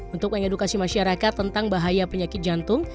untuk mengedukasi masyarakat tentang bahaya penyakit jantung